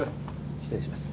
失礼します。